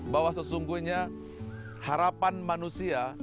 bahwa sesungguhnya harapan manusia